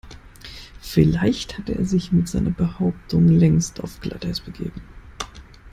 Vielleicht hatte er sich mit seiner Behauptung längst auf Glatteis begeben.